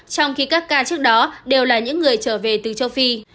trong khi các ca trước đó đều là những người trở về từ châu phi